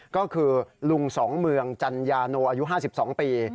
ก็คือลุงสองเมืองจันยาโนอายุห้าสิบสองปี